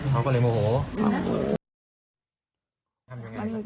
อ๋อเค้าก็เลยโมโห